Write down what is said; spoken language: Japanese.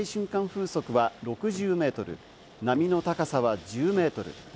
風速は６０メートル、波の高さは１０メートル。